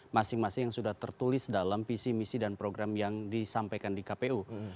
masing masing yang sudah tertulis dalam visi misi dan program yang disampaikan di kpu